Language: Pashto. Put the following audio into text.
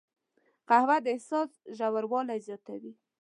قهوه د احساس ژوروالی زیاتوي